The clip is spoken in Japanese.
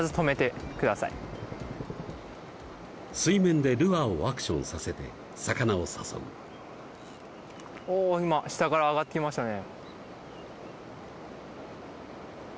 水面でルアーをアクションさせて魚を誘うお今下から上がってきましたね